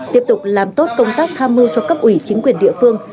tiếp tục làm tốt công tác tham mưu cho cấp ủy chính quyền địa phương